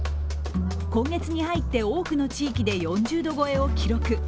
今月に入って多くの地域で４０度超えを記録。